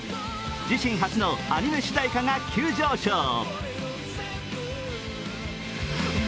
自身初のアニメ主題歌が急上昇。